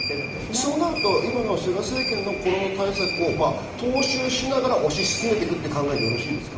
そうなると菅政権のコロナ対策を踏襲しながら、推し進めていくと考えてよろしいですか？